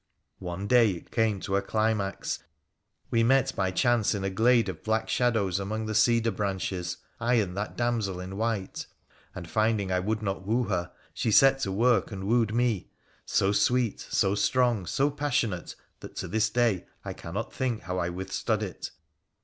One day it came to a climax. We met by chance in a glade of black shadows among the cedar branches, I and that damsel in white, and, finding I would not woo her, she set to work and wooed me — so sweet, so strong, so passionate, that to this day I cannot think how I withstood it.